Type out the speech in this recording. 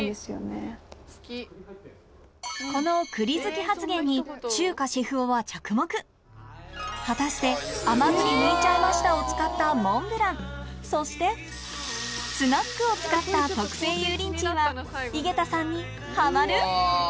この栗好き発言に中華シェフ男は着目果たして甘栗むいちゃいましたを使ったモンブランそしてスナックを使った特製油淋鶏は井桁さんにハマる？